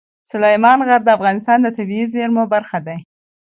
سلیمان غر د افغانستان د طبیعي زیرمو برخه ده.